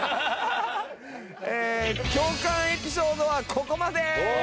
共感エピソードはここまで！